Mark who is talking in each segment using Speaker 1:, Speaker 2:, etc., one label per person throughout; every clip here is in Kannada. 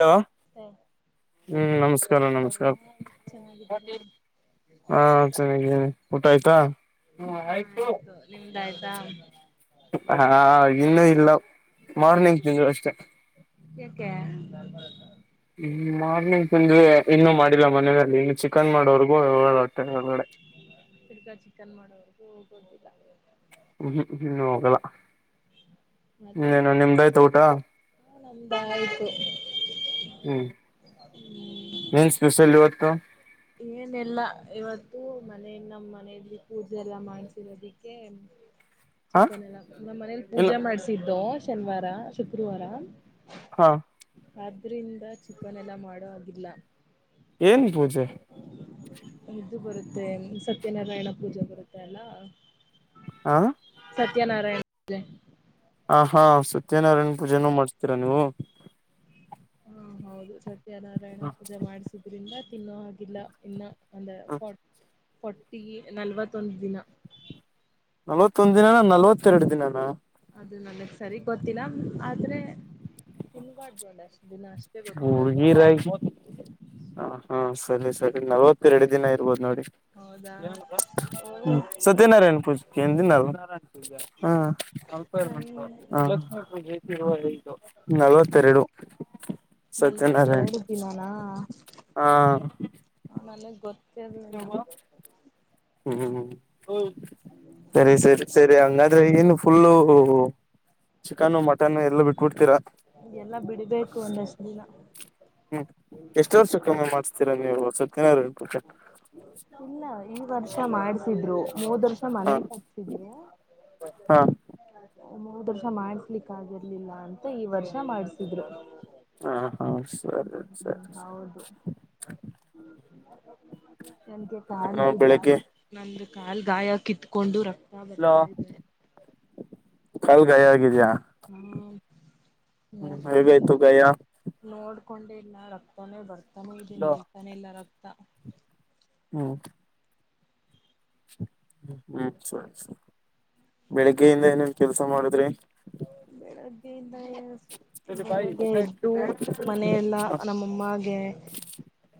Speaker 1: ಹಲೋ
Speaker 2: ಮತ್ತೆ
Speaker 1: ಹ್ಮ ನಮಸ್ಕಾರ ನಮಸ್ಕಾರ ಹಾ ಚೆನ್ನಾಗಿದ್ದೀನಿ ಊಟ ಆಯ್ತಾ
Speaker 2: ಹ ಆಯ್ತು ನಿಮ್ದಾಯಯ್ತಾ [inaudible]
Speaker 1: ಹಾ ಇನ್ನುೂ ಇಲ್ಲ ಮಾರ್ನಿಂಗ ಅಷ್ಟೆ
Speaker 2: ಏಕೆ
Speaker 1: ಹ್ಮ ಮಾರ್ನಿಂಗ್ ತಿಂದ್ರೆ ಇನ್ನು ಮಾಡಿಲ್ಲ ಮನೆಯಲ್ಲಿ ಇನ್ನು ಚಿಕನ್ ಮಾಡೋರ್ಗೂ ಹೇಳ ಹೊಟ್ಟೆ ಒಳಗಡೆ ಹ್ಮ್
Speaker 2: ತಿರ್ಗಾ ಚಿಕನ್ ಮಾಡೋವರ್ಗೂ ಗೊದಿಲ್ಲ
Speaker 1: ಹ್ಮ್ ಹನ್ನು ಹೋಗಲ್ಲ ಇನ ನಿಮ್ದಾಯ್ತಾ ಊಟ
Speaker 2: ನಮ್ದಂಗ ಆಯ್ತು
Speaker 1: ಹ್ಮ್ ಏನ್ ಸ್ಪೆಷಲ್ ಇವತ್ತು
Speaker 2: ಏನೆಲ್ಲಾ ಇವತ್ತು ಮನ ನಮ್ಮ್ ಮನೆಯಲ್ಲಿ ಕೂಜ ಎಲ್ಲ ಮಾಡ್ಸರೋದಿಕ್ಕೆ
Speaker 1: ಹಾ
Speaker 2: ಚಿಕನ್ ಎಲ್ಲ ನಮ್ಮ್ ಮನೇಲಿ
Speaker 1: ಇಲ್ಲ
Speaker 2: ಪೂಜೆ ಮಾಡ್ಸಿದ್ದು ಶನಿವಾರ ಶುಕ್ರವಾರ
Speaker 1: ಹಾ
Speaker 2: ಆದ್ರಿಂದ ಚಿಕನ್ ಎಲ್ಲಾ ಮಾಡೋದಿಲ್ಲ
Speaker 1: ಏನ್ ಪೂಜೆ
Speaker 2: ಇದು ಬರುತ್ತೆ ಸತ್ಯನಾರಾಯಣ ಪೂಜೆ ಬರುತ್ತೆ ಅಲ್ಲ
Speaker 1: ಹ
Speaker 2: ಸತ್ಯನಾರಾಯಣ
Speaker 1: ಹ ಹಾ ಸತ್ಯನಾರಾಯಣ ಪೂಜೆನೂ ಮಾಡಿಸತೀರಾ ನೀವು
Speaker 2: ಹಾ ಹೌದು ಸತ್ಯನಾರಾಯಣ ಪದ ಮಾಡಿಸಿದ್ರಿಂದ ತಿನ್ನೋ ಹಾಗಿಲ್ಲ ಇನ್ನ ಅಂದಫಟ್ಟಿ ನಲ್ವತ್ತೊಂದು ದಿನ
Speaker 1: ನಲ್ವತ್ತೊಂದು ದಿನನ ನಲ್ವತ್ತೆರಡು ದಿನನ
Speaker 2: ಅದು ನನಗ್ ಸರಿ ಗೊತ್ತಿಲ್ಲ ಆದ್ರೆ ತಿನ್ಬಾರ್ದು ಒಂದ್ ಅಷ್ಟ್ ದಿನ ಅಷ್ಟೇ ಗೊತ್ತಿರೋದು
Speaker 1: ಮುಗಿರಾಯ ಹ ಹಾ ಸರಿ ಸರಿ ನಲವತ್ತುಎರಡು ದಿನ ಇರ್ಬೋದು ನೋಡಿ
Speaker 2: ಹೌದಾ ಓ
Speaker 1: ಹ್ಮ ಸತ್ಯನಾರಾಯಣ ಪೂಜ ಏನ್ ದಿನಲ್ಜ ಹ
Speaker 2: ನನ್
Speaker 1: [unintelligible] ನಲ್ವತ್ತೆರಡು
Speaker 2: ನಲ್ವತ್ತ
Speaker 1: ಸತ್ಯನಾರಾಯಣ
Speaker 2: ಎರಡು್ದೀನಾನ
Speaker 1: ಹಾ
Speaker 2: ನಗ್ ಗೊತ್ತ ಸರಿ
Speaker 1: ಹ್ಮ್ ಸರಿ ಸರಿ ಸರಿ ಹಂಗಾದ್ರೆಗನ್ನು ಫುಲ್ಲು ಚಿಕನ್ನು ಮಟನ್ನು ಎಲ್ಲ ಬಿಟ್ಬಿಡ್ತೀರ
Speaker 2: ಎಲ್ಲ ಬಿಡ್ಬೇಕು ಒಂದಷ್ಟು ದಿನ
Speaker 1: ಹ್ಮ್ ಎಷ್ಟು ವರ್ಷ ಕಮ್ಮಿ ಮಾಡಿಸತೀರಾ ನೀವು ಸದ
Speaker 2: ಇಲ್ಲ ಈ ವರ್ಷ ಮಾಡ್ಸ ಧ್ರು ಮೂದ ವರ್ಷ
Speaker 1: ಹಾ
Speaker 2: ಮನೆ ಕ ಹಟ್ಟಸಿದ್ರು
Speaker 1: ಹಾ
Speaker 2: ಮೂರ್ ವರ್ಷ ಮಾಡಸ್ಲಿಕ್ ಆಗರ್ಲಿಲ್ಲ ಅಂತ ಈ ವರ್ಷ ಮಾಡ್ಸಿದ್ರು
Speaker 1: ಹಾ ಹಾ ಸರಿ
Speaker 2: ಹ್ಮ್
Speaker 1: ಸರಿ ಸರಿ
Speaker 2: ಹೌದು ನನ್ಗೆ ಕಾಲ್ ಗಾಯ
Speaker 1: ಬೆಳಿಗ್ಗೆ
Speaker 2: ನಂದು ಕಾಲ್ ಗಾಯ ಕಿತ್ಕೊಂಡು ರಕ್ತ ಹ ಬರ್ತಾ ಇದೆ
Speaker 1: ಕಾಲ್ ಗೈ ಆಗಿದ್ಯಾಾ
Speaker 2: ಹ್ಮ
Speaker 1: ಹ್ಮ್ ಹಗತು ಗಯ
Speaker 2: ಹಕೊಂಡೆ ಇಲ್ಲ ರಕ್ತನೇ ಬರ್ತಾನೆ ಇದೆ ನಿಲ್ತಾನೆ ಇಲ್ಲ ರಕ್ತ
Speaker 1: ಹ್ಮ ಹ್ಮ್ ಸರಿರಿ ಬೆಳಿಗ್ಗೆಯಿಂದ ಏನೇನ್ ಕೆಲ್ಸ ಮಾಡುದ್ರಿ
Speaker 2: ಬೆಳಗ್ಗೆಯಿಂದ ಬೆಳಗ್ಗೆ ಎದ್ದು ಮನೆಲ್ಲ ನಮ್ಮಮ್ಮಾಗಗೆ
Speaker 1: ಹ್ಮ್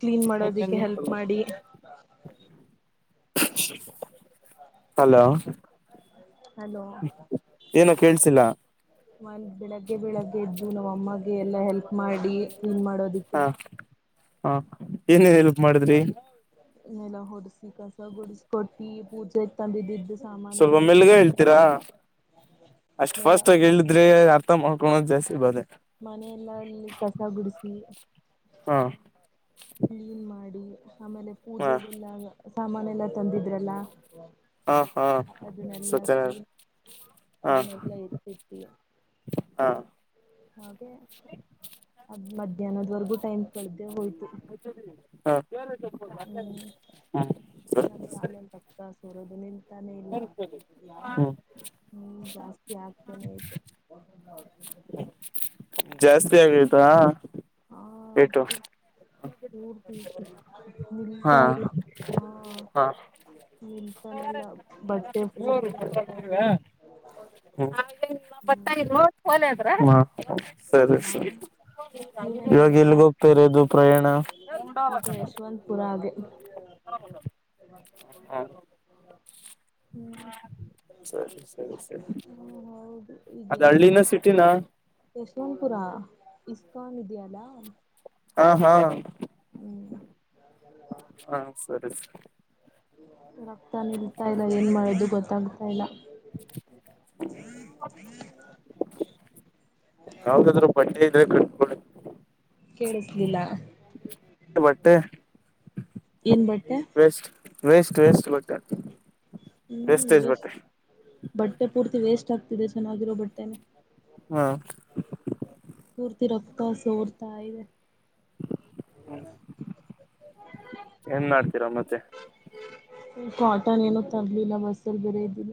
Speaker 2: ಕ್ಲೀನ್ ಮಾಡೋದಿಕ್ಕೆ ಹೆಲ್ಪ್ ಮಾಡಿ
Speaker 1: ಹಲೋ
Speaker 2: ಹಲೋ
Speaker 1: ಏನ ಕೇಳ್ಸಿಲ್ಲ
Speaker 2: ಒಂದ ಬೆಳಿಗ್ಗೆ ಬೆಳಗ್ಗೆ ಎದ್ದು ನಮ್ಮ ಅಮ್ಮಗೆ ಎಲ್ಲ ಹೆಲ್ಪ್ ಮಾಡಿ ಕ್ಲೀನ್ ಮಾಡೋದಿಕ್ಕೆ
Speaker 1: ಹಾ ಏನೇನ್ ಹೆಲ್ಪ್ ಮಾಡಿದ್ರಿ
Speaker 2: ನ್ನೆಲ್ಲ ಹೊಡಸಿ ಕಸ ಗುಡಿಸಕೊಟ್ಟಿ ಪೂಜೆಗೆ ತಂದಿದ್ದಿದ್ದ
Speaker 1: ಸ್ವಲ್ಪ ಮೆಲ್ಗ ಹೇಳ್ತೀರಾ ಅಷ್ಟ್
Speaker 2: ನೆಲ
Speaker 1: ಫಸ್ಟ್ ಆಗಿ ಹೇಳಿದ್ರೆ ಅರ್ಥಮಾಡಿಕೊಳ್ಳುವ ಜಾಸ್ತಿ ಬಾದೆ
Speaker 2: ಮನೆಯೆಲ್ಲ ಅಲ್ಲಿ ಕಸ ಗುಡಿಸಿ
Speaker 1: ಹಾ
Speaker 2: ಕ್ಲೀನ್ ಮಾಡಿ ಆಮೇಲೆ
Speaker 1: ಹಾ
Speaker 2: ಪೂಜೆಗೆಲ್ಲ ಸಾಮಾನ ಎಲ್ಲ ತಂದಿದ್ರಲ್ಲ
Speaker 1: ಹಾ ಹಾ ಸತ್ಯನ
Speaker 2: ಅದ ನಲ್ಲ ಎತ್ತುತಿಯ
Speaker 1: ಹಾ
Speaker 2: ಹಾಗೆ ಅದ್ ಮಧ್ಯಾಹ್ನದ್ವರೆಗೂ ಟೈಮ್ ಕಳ್ದ
Speaker 1: ಹಾ ಹ್ಮ
Speaker 2: ನಮ ಶಾಲೆಯಲ್ಲಿ ತಪ್ಪತ ಸೋರೋದು ನಿಂತಾನೆ ಇಲ್ಲ
Speaker 1: ಹ್ಮ್
Speaker 2: ಹ್ಮ್ ಜಾಸ್ತಿ ಆಗ್ತಾನೆ ಇದೆ
Speaker 1: ಜಾಸ್ತಿ ಆಗೈತಾ ಏಟು
Speaker 2: ಹಾರ್ ದಿವ
Speaker 1: ಹಾ
Speaker 2: ನಿಲ್ತಾ ಇಲ್ಲ ಹಾ
Speaker 1: ಹಾ
Speaker 2: ನಿನ್ಸಾನೆಲ್ಲ ಬಟ್ಟೆ ಪೂರ್ತಿ ಆಗ್ತಾ ಇದೆ ಹ್ಮ್
Speaker 1: ಬರತೈಲ್ವೋ ಕೋಲಿ ಹತ್ರ ದ್ರ
Speaker 2: ಹಾ
Speaker 1: ಸರಿ
Speaker 2: ನೀವೇನ್
Speaker 1: ಇವಾಗ
Speaker 2: ಮಾಡಿದ್ರಾ
Speaker 1: ಎಲ್ಗ ಹೋಗ್ತಾರೆ ಅದು ಪ್ರಯಾಣ
Speaker 2: ಈಗ ಯಶವಂತಪುರ ಹಾಗೆ
Speaker 1: ಹ್ಮ್
Speaker 2: ಹ್ಮ್
Speaker 1: ಸರಿ ಸರಿ ಸರಿ
Speaker 2: ಹ್ಮ್ ಹೌದು ಈಗ
Speaker 1: ಅದ್ ಹಳ್ಳಿನ ಸಿಟಿನಾ
Speaker 2: ಯಶವಂತಪುರ ಇಸ್ಕಾನ್ ಇದೆಯಲ್ಲಾ
Speaker 1: ಹ ಹಾ
Speaker 2: ಹ್ಮ್
Speaker 1: ಹಾ ಸರಿ ಸರಿ
Speaker 2: ರಕ್ತ ನಿಲ್ತಾ ಇಲ್ಲ ಏನ್ ಮಾಡದು ಗೊತ್ತಾಗ್
Speaker 1: ಹ್ಮ್ ಯಾವಾಗಾದ್ರೂ ಬಟ್ಟೆ ಇದ್ರೆ ಕಟ್ಕೊಳ್ಳಿ
Speaker 2: ಕೇಳಿಸ್ಲಿಲ್ಲ
Speaker 1: ಬಟ್ಟೆ
Speaker 2: ಏನ್ ಬಟ್ಟೆ
Speaker 1: ವಸ್ ವೆಸ್ಟ್ ವೆಸ್ಟ್ ಬಟ್ಟೆ
Speaker 2: ಹ್ಮ್
Speaker 1: ವೇಸ್ಟೇಜ್ ಬಟ್ಟೆ
Speaker 2: ವೇಸ್ಟ್ ಬಟ್ಟೆ ಪೂರ್ತಿ ವೇಸ್ಟ್ ಆಗ್ತಿದೆ ಚೆನ್ನಾಗಿರೋ ಬಟ್ಟೆನೆ
Speaker 1: ಹಾ
Speaker 2: ಪೂರ್ತಿ ರಕ್ತ ಸೋರ್ತ ಈದೆ
Speaker 1: ಹ್ಮ್ ಏನ್ ಮಾಡ್ತೀರಾ ಮತ್ತೆ
Speaker 2: ಕಾಟನ್ ಏನೂ ತರ್ಲಿಲ್ಲ ಬಸ್ಲ್ಲಿ ಬೇರೆ ಇದ್ದೀನ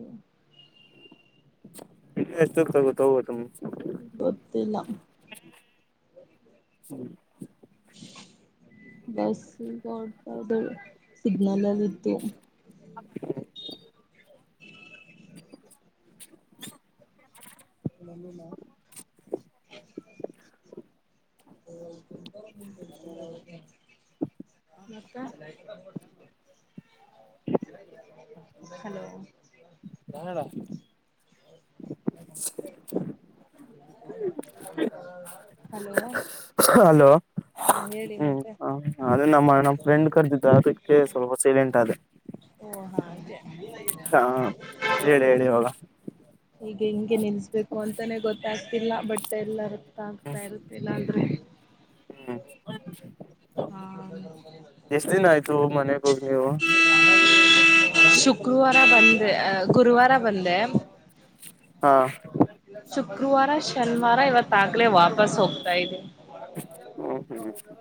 Speaker 1: ಎಷ್ಟ ತಗೋಗೋದು
Speaker 2: ಗೊತ್ತಿಲ್ಲ
Speaker 1: ಹ್ಮ
Speaker 2: ಬಸ್ ಈಗಡ್ತ ಸಿಗ್ನಲ್ಲ್ಲಿ ಇತ್ತು
Speaker 1: ಹ [inaudible] ಹ [inaudible]
Speaker 2: ನಿಲ್ಲ [unintelligible] [inaudible] ನಕ್ಕ [inaudible] [unintelligible] ಹಲೋ
Speaker 1: ಹಾರಾ ಹ್ಮ್
Speaker 2: ಹಲೋ
Speaker 1: ಹಲೋ
Speaker 2: ಹಾ
Speaker 1: [unintelligible]
Speaker 2: ಹೇಳಿ
Speaker 1: ಹ್ಮ್
Speaker 2: ಮತ್ತೆ
Speaker 1: ಅದೇ ನಮ್ಮ ನಮ್ಮ್ ಫ್ರೆಂಡ್ ಕರೆದಿದ್ದ ಅದಕ್ಕೆ ಸ್ವಲ್ಪ ಸೈಲೆಂಟ್ ಅ
Speaker 2: ಓ ಹಾ ಹ
Speaker 1: ಹೇಳಿ ಹೇಳಿ ಇವಾಗ
Speaker 2: ಹೆಂಗೆ ನಿಲ್ಸ್ಬೇಕು ಅಂತಾನೆ ಗೊತ್ತಾಗ್ತಿಲ್ಲ ಬಟ್ ಎಲ್ಲ ರಕ್ತ ಆಗ್ತಾ ಇರುತ್ತಿಲ್ಲ ಅಂದ್ರೆ
Speaker 1: ಹ್ಮ್
Speaker 2: ಹಾ
Speaker 1: ಎಷ್ಟ ದಿನ ಆಯ್ತು ಮನೆಗ ಹೋಗಿ ನೀವು
Speaker 2: ಶುಕ್ರವಾರ ಬಂದೆ ಗುರುವಾರ ಬಂದೆ
Speaker 1: ಹಾ
Speaker 2: ಗುರುವಾರ ಶನಿವಾರ ಇವತ್ತಾಗಲೆ ವಾಪಸ್ ಹೋಗ್ತಾ ಇದೀನಿ
Speaker 1: ಓ ಹ ಹ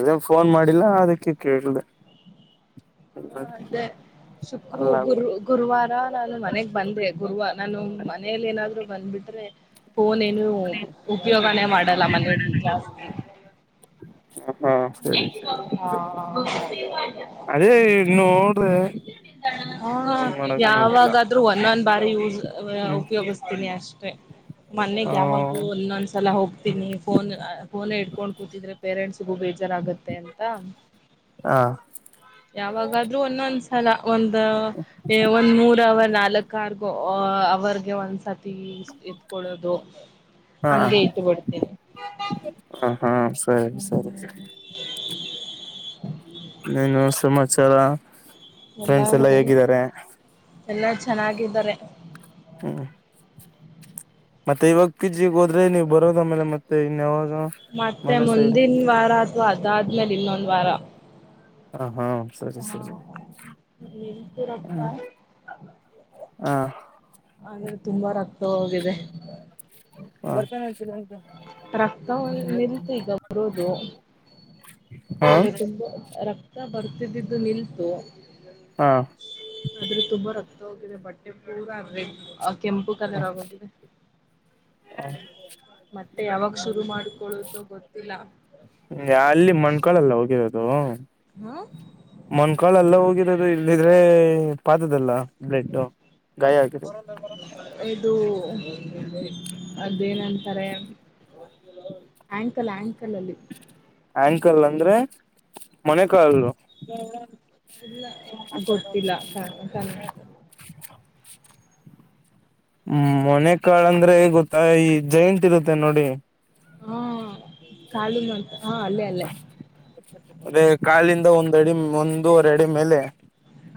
Speaker 1: ಅದೇನ್ ಫೋನ್ ಮಾಡಿಲ್ಲ ಅದಕ್ಕೆ ಕೇಳ್ದೆ ಹ್ಮ್
Speaker 2: ಹಾ ಅದೇ ಶುಕರು
Speaker 1: ಅಲ್ಲ ಅಲ್ಲ
Speaker 2: ಗುರು ಗುರುವಾರ ನಾನು ಮನೆಗ್ ಬಂದೆ ಗುರುವ ನಾನು ಮನೇಲಿ ಏನಾದ್ರು ಬಂದ್ಬಿಟ್ರೆ ಫೋನ್ ಏನು ಉಪಯೋಗನೇ ಮಾಡಲ್ಲ ಮನೆಯಲ್ಲಿ ಜಾಸ್ತಿ
Speaker 1: ಹಾ ಸರಿ ಸರಿ
Speaker 2: ಹಾ
Speaker 1: ಅದೇ ನೋಡ್ರೆ
Speaker 2: ಹಾ
Speaker 1: ಫೋನ್ ಮಾಡಕ್ ನೋಕಿಲ್ಲ
Speaker 2: ಯಾವಾಗಾದ್ರೂ ಒಂದೊಂದ್ ಬಾರಿ ಯೂಸ್ ಅ
Speaker 1: ಹ್ಮ್
Speaker 2: ಉಪಯೋಗಿಸ್ತೀನಿ ಅಷ್ಟೆ. ಮನೆಗ್ ಯಾವಾಗ್ಲೋ
Speaker 1: ಹ
Speaker 2: ಒನ್ನೊಂದ್ಸಲ ಹೋಗ್ತೀನಿ. ಫೋನ್ ಫೋನೆ ಇಡ್ಕೊಂಡ್ ಕೂತಿದ್ರೆ ಪೇರೆಂಟ್ಸ್ ವ್ರುಗು ಬೇಜಾರಾಗುತ್ತೆ ಅಂತ
Speaker 1: ಹಾ
Speaker 2: ಯಾವಾಗಾದ್ರೂ ಒಂದೊಂದ್ಸ್ ಅಲ ಒಂದ ಏ ಒಂದ್ ಮೂರ್ ಅವರ್ ನಾಲಕ್ ಆರ್ಗೊ ಅವರ್ಗೆ ಒಂದ್ಸತ್ ತೀಸ್ ಎತ್ಕೊಳ್ಳೋದು ಹಂಗೆ ಇಟ್ಬಿಡ್ತೀನಿ.
Speaker 1: ಹಾಂ ಸರಿ ಸರಿ ಸರಿ.
Speaker 2: [inaudible]
Speaker 1: ಇನ್ನೇನು ಸಮಾಚಾರ ಫ್ರೆಂಡ್ಸ್ ಎಲ್ಲಾ ಹೇಗಿದ್ದಾರೆ?
Speaker 2: ಎಲ್ಲಾ ಚೆನ್ನಾಗಿದ್ದಾರೆ.
Speaker 1: [unintelligible] ಮತ್ತೆ ಇವಾಗ್ ಪಿಜಿಗ್ ಹೋದ್ರೆ ನೀವ್ ಬರೋದು ಆಮೇಲೆ ಮತ್ತೆ ಇನ್ಯಾವಾಗ್
Speaker 2: ಮತ್ತೆ ಮುಂದಿನ್ ವಾರ ಅಥವಾ ಅದಾದ್ಮೇಲ್ ಇನ್ನೊಂದ್ ವಾರ
Speaker 1: ಹ ಹಾ ಸರಿ
Speaker 2: ಹಾ
Speaker 1: ಸರಿ
Speaker 2: ನಿಂತು
Speaker 1: ಹ
Speaker 2: ರಕ್ತ
Speaker 1: ಹಾಂ
Speaker 2: ಆದ್ರೆ ತುಂಬಾ ರಕ್ತ ಹೋಗಿದೆ.
Speaker 1: ಹ
Speaker 2: ರಕ್ತ ನಿಲ್ತು ಈಗ ಬರೋದು ಆದ್ರೆ ತುಂಬಾ ರಕ್ ತ್ತ ಬರ್ತಿದ್ದಿದ್ದು ನಿಲ್ತು,
Speaker 1: ಹ
Speaker 2: ಆದ್ರೆ ತುಂಬಾ ರಕ್ತ ಹೋಗಿದೆ ಬಟ್ ಟೆ ಫುಲ್ಲಾಗ್ ರೆಡ್ ಅ ಕೆಂಪು ಕಲರ್ ಆಗೋಗಿದೆ. ಮತ್ತೆ ಯಾವಾಗ್ ಶುರು ಮಾಡ್ಕೊಳ್ಳೋದು ಗೊತ್ತಿಲ್ಲ.
Speaker 1: ದು
Speaker 2: ಹ
Speaker 1: ಮನ್ಕಾಳೆಲ್ಲ ಹೋಗಿರದು ಇಲ್ಲಿದ್ರೆ ಪಾದುದಲ್ಲ ಬ್ಲೆಡ್ ಗಾಯ ಆಗಿದೆ?
Speaker 2: ಇದು ಅದೇನಂತಾರೆ ಆ್ಯಂಕಲ್ ಆ್ಯಂಕ್
Speaker 1: ಆ್ಯಂಕಲ್ ಅಂದ್ರೆ ಮೊಣ ಕಾಲು? [inaudible]
Speaker 2: ಇಲ್ಲ ಗೊತ್ತಿಲ್ಲ ಕ ಕನ್
Speaker 1: ಹ್ಮ್ ಮೊಣೆ ಕಾಲಂದ್ರೆ ಗೊತ್ತಾ ಈ ಜೈಂಟ್ ಇರುತ್ ತೆ ನೋಡಿ
Speaker 2: ಹೂಂ ಕಾಲಿಂದ್ ಒಂಥಾ
Speaker 1: ಅದೇ ಕಾಲಿಂದ ಒಂದಡಿ ಒಂದೂವರಡಿ ಮೇಲೆ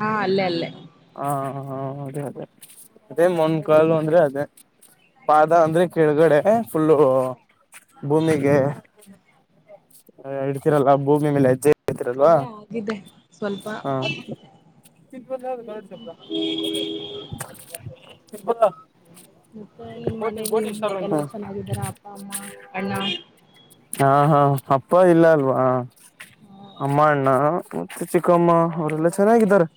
Speaker 2: ಹಾಂ ಅಲ್ಲೇ ಅಲ್ಲೇ.
Speaker 1: ಹಾಂ ಹಾಂ ಅದೇ ಅದೇ ಅದೇ ಮೊನ್ ಕಾಲು ಅಂದ್ರೆ ಅದೇ. ಪಾದ ಅಂದ್ರೆ ಕೆಳಗಡೆ ಫುಲ್ಲು ಭೂಮಿಗೆ ಇಡ್ತೀರಲ್ಲ ಭೂಮಿ ಮೇಲೆ ಹೆಜ್ಜೆ ಇಡ್ತೀರಲ್ವಾ
Speaker 2: ಅಲ್ಲೇ ಆಗಿದೆ ಸ್ವಲ್ಪ
Speaker 1: ಹಾಂ [unintelligible] [unintelligible]
Speaker 2: ಮತ್ತೆ ನಿಮ್ ಮನೇಲಿ ಎಲ್ಲಾ ಚೆನ್ನಾಗಿದಾರ ಅಪ್ಪ ಅಮ್ಮ ಅಣ್ಣ
Speaker 1: ಹಾಂ ಹಾಂ ಅಪ್ಪ ಇಲ್ಲ ಅಲ್ವಾ, ಅಮ್ಮ ಅಣ್ಣ ಮತ್ತೆ ಚಿಕ್ಕಮ್ಮ ಅವರೆಲ್ಲಾ ಚೆನ್ನಾಗಿದ್ದಾರೆ.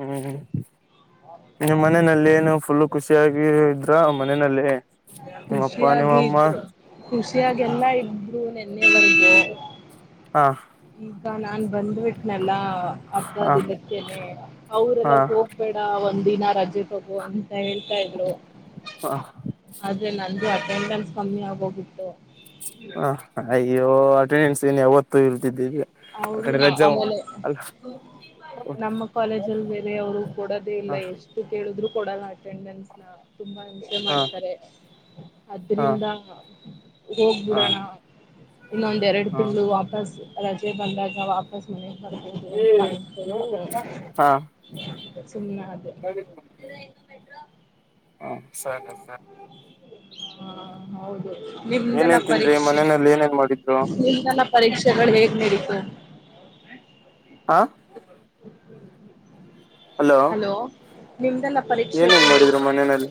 Speaker 1: ಹ್ಮ್ ನಿಮ್ ಮನೆನಲ್ ಏನು ಫುಲ್ ಖುಷಿಯಾಗಿ ಇದ್ರ ಮನೆನಲ್ಲಿ? ನಿಮ್ಮಪ್ಪಾ
Speaker 2: ಖುಷಿಯಾಗಿ
Speaker 1: ನಿಮ್ಮಮ್ಮ
Speaker 2: ಇದ್ರು ಖುಷಿಯಾಗೆಲ್ಲಾ ಇದ್ರು ನೆನ್ನೆವರ್ಗು
Speaker 1: ಹಾಂ
Speaker 2: ನಾನ್ ಬಂದ್ಬಿಟ್ನಲ್ಲ ಅರ್ಧ
Speaker 1: ಹ
Speaker 2: ದಿನುಕ್ಕೆನೆ
Speaker 1: ಹ
Speaker 2: ಅವ್ರೆಲ್ಲ ಹೋಗ್ಬೇಡ ಅವತ್ ಒಂದಿನ ರಜೆ ತಗೊ ಅಂತ ಹೇಳ್ತಾ ಇದ್ರು.
Speaker 1: ಹ
Speaker 2: ಅದೆ ನಂದು ಅಟೆಂಡೆನ್ಸ್ ಕಮ್ಮಿ ಆಗೋಗಿತ್ತು
Speaker 1: ಅ ಅಯ್ಯೋ ಅಟೆಂಡೆನ್ಸ್ ಏನ್ ಯಾವತ್ತು ಇಲ್ದಿದ್ದೀಗೆ.
Speaker 2: ಹೌದು ಆಮೇಲೆ ನಮ್ಮ ಕಾಲೇಜ ಅಲ್ಲಿ ಬೇರೆಯವರು ಕೊಡೋದೇ ಇಲ್ಲ
Speaker 1: ಹ
Speaker 2: ಎಷ್ಟು ಕೇಳಿದ್ರು ಕೊಡಲ್ಲ ಅಟೆಂಡನ್ಸ್ ನ ತುಂಬಾ ಹಿಂಸೆ
Speaker 1: ಹಾ
Speaker 2: ಮಾಡ್ತಾರೆ
Speaker 1: ಹಾ
Speaker 2: ಅದ್ರಿಂದ
Speaker 1: ಹಾ
Speaker 2: ಹೋಗ್ಬಿಡೋಣ ಇನ್ನೊಂದೇರಡು
Speaker 1: ಹಾ
Speaker 2: ತಿಂಗಳು ವಾಪಸ್ ರಜೆ ಬಂದಾಗ ವಾಪಸ್ ಮನೆ ರ್ಬೋದು ಅಂತಕೊಂಡಂದು
Speaker 1: ಹಾ
Speaker 2: ಸುಮ್ನ ಅದ
Speaker 1: ಹ ಸರಿ ಸರಿ
Speaker 2: ಹಾ ಹೌದು ನಿಮದೇಲ್ಲ
Speaker 1: ಏನೇನ್ ತಿಂದ್ರಿ
Speaker 2: ಪರೀಕ್ಷೆ
Speaker 1: ಮನೆಯಲ್ಲಿ ಏನೇನ್ ಮಾಡಿದ್ರು
Speaker 2: ನಿಮದೇಲ್ಲ ಪರೀಕ್ಷೆಗಳು ಹೇಗ್ ನಡಿ ಹ್ಮ
Speaker 1: ಆ
Speaker 2: [unintelligible] ಹಲೋ ನಿಮ್ದಲ್ಲ
Speaker 1: ಏನೇನ್ ಮಾಡಿದ್ರು ಮನೆಯಲ್ಲಿ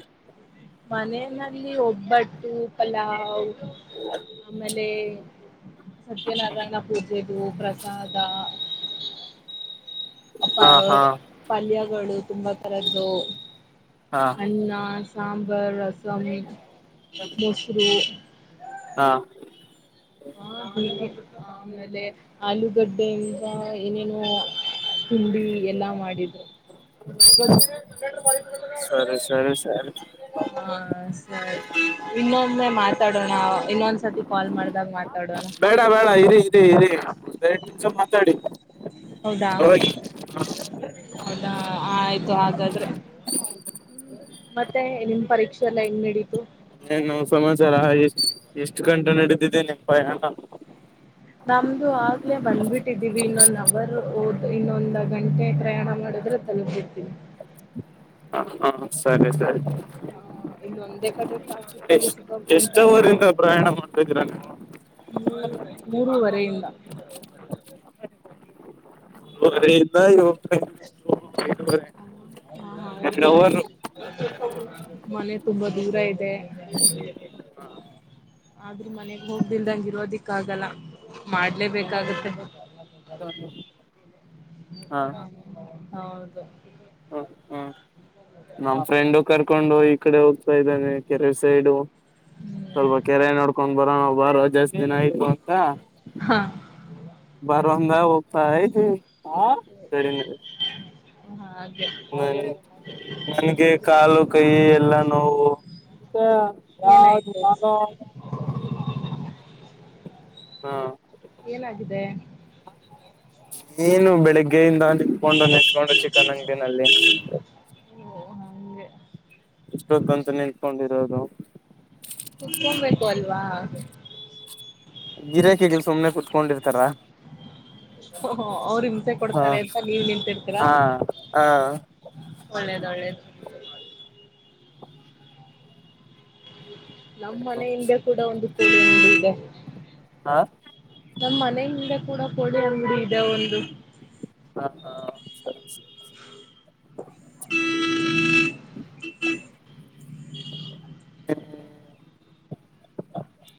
Speaker 2: ಮನೆಯಲ್ಲಿ ಒಬ್ಬಟ್ಟು ಪಲಾವ್ ಆಮೇಲೆ ಸತ್ಯನಾರಾಯಣ ಪೂಜೆದು ಪ್ರಸಾದ ಅ
Speaker 1: ಹಾ ಹಾ
Speaker 2: ಪಲ್ಯಗಳು ತುಂಬಾ ತರದ್ದು
Speaker 1: ಹಾ
Speaker 2: ಅನ್ನ ಸಾಂಬರ್ ರಸಮ ಮೊಸರು
Speaker 1: ಹಾ
Speaker 2: ಹ ಆಮೇಲೆ ಆಲೂಗಡ್ಡೆಯಿಂದ ಏನೇನು ತಿಂಡಿ ಎಲ್ಲಾ ಮಾಡಿದ್ರು
Speaker 1: ಸರಿ ಸರಿ ಸರಿ
Speaker 2: ಹಾ ಹ ಇನ್ನೊಂದೆ ಮಾತಾಡೋಣ ಇನ್ನೊಂದ್ಸರ್ತಿ ಕಾಲ್ ಮಾಡ್ದಾಗ ಮಾತ
Speaker 1: ಬೇಡ ಬೇಡ ಇದೆ ಇದೆ ಇದೆ ಎರಡ್ ನಿಮಿಷ ಮಾತಾಡಿ
Speaker 2: ಹೌದಾ
Speaker 1: ಹೋಯಿ
Speaker 2: ಹೌದಾ ಆಯ್ತು ಹಾಗಾದ್ರೆ ಮತ್ತೆ ನಿಮ್ಮ ಪರೀಕ್ಷೆ ಎಲ್ಲ ಹೆಂಗ್ ನಡೀತು
Speaker 1: ಹನ ನಾವ್ ಸಮಾಚಾರ ಎಷ್ಟ ಎಷ್ಟು ಗಂಟೆ ನಡೆದಿದ್ದೇ ನಿಮ್ ಪಯಣ
Speaker 2: ನಮ್ದು ಆಗ್ಲೆ ಬಂದ್ಬಿಟ್ಟಿದ್ದೀವಿ ಇನ್ನೊಂದ್ ಅವರ್ ಓದ ಇನ್ನೊಂದ ಗಂಟೆ ಪ್ರಯಾಣ ಮಾಡಿದ್ರೆ ತಲುಪಿಡ್ತೀವಿ
Speaker 1: ಹ ಹಾ ಸರಿ ಸರಿ
Speaker 2: ಇಲ್ಲೊಂದೇ ಕಡೆ ಅಲ್ಲಿ
Speaker 1: ಎಷ್ಟ ಎಷ್ಟ
Speaker 2: ಸಿಕ್ಕಾಕೊಳ್ತಾ
Speaker 1: ಅವರಿಂದ ಪ್ರಯಾಣ ಮಾಡ್ತಿದೀರ ನೀ
Speaker 2: ಮೂರವರೆಯಿಂದ
Speaker 1: ವರೆಯಿಂದ ಎಳ
Speaker 2: ಹಾ ಹೌದು ಮನೆ ತುಂಬಾ ದೂರ ಇದೆ ಆದ್ರೆ ಮನೆಗ್ ಹೋಗ್ದಲ್ದಂಗ ಇರೋದಿಕ್ಕ ಆಗಲ್ಲ ಮಾಡ್ಲೇಬೇಕಾಗತ್ತೆ
Speaker 1: ಹಾ
Speaker 2: ಹೌದು
Speaker 1: ಹ ಹ್ಮ ನಮ್ಮ ಫ್ರೆಂಡು ಕರ್ಕೊಂಡು ಹೋ ಕಡೆ ಹೋಗ್ತಾ ಇದ್ದಾನೆ ಕೆರೆ ಸೈಡು ಸ್ವಲ್ಪ
Speaker 2: ಹ್ಮ್
Speaker 1: ಕೆರೆ ನೋಡ್ಕೊಂಡ್ ಬರೋ ಬರೋ ಜಾಸ್ತಿ ದಿನ ಆಯ್ತು ಅಂತ
Speaker 2: ಹಾ
Speaker 1: ಬರವಂಗಾ ಒಪ್ಪ ತಿ ಹಾ ಗಡಿನೆ
Speaker 2: ಹ ಹಾ
Speaker 1: ನನ್ ನನ್ಗೆ ಕಾಲು ಕೈ ಎಲ್ಲಾ ನೋವು ತ್ತ ಯಾವ
Speaker 2: ಏನಾಯ್ತು
Speaker 1: [unintelligible]
Speaker 2: ಏನಾಗಿದೆ
Speaker 1: ಏನು ಬೆಳಿಗ್ಗೆಯಿಂದ ತಿತ್ಕೊಂಡು ನೆಚ್ಕೊಂಡು ಚಿಕನ್ ಅಂಗಡಿನಲ್ಲಿ
Speaker 2: ಅಂಗೆ
Speaker 1: ಇಷ್ಟ ಬೇಕು ಅಂತ ನಿಂತ್ಕೊಂಡಿರೋದು
Speaker 2: ಕುತ್ಕೊಬೇಕು ಅಲ್ವಾ
Speaker 1: ಗಿರಾಕೆ ಸುಮನೆ ಕುತ್ಕೊಂಡಿರ್ತಾರಾ
Speaker 2: ಅವ್ರು ಹಂತೆ
Speaker 1: ಹಾ
Speaker 2: ಕೊಡ್ತಾರೆ ಅಂತ ನೀವ ನಿಂತಿರ್ತೀರಾ
Speaker 1: ಹಾ ಹಾ
Speaker 2: ಒಳ್ಳೇದು ಒಳ್ಳೇದು ನಮ್ಮ್ ಮನೆಯಿಂದೆ ಕೂಡ ಒಂದು ಕೋಳ ಇದೆ
Speaker 1: ಹಾ
Speaker 2: ನಮ್ಮ್ ಮನೆಯ ಹಿಂದೆ ಕೂಡ ಕಡಿ ಅಂಗಡಿ ಇದೆ ಒಂದು
Speaker 1: ಹಾ ಹಾ ಸರಿ ಸರಿ ಹ್ಮ್